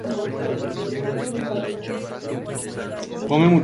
Tor Books fue vendida a St.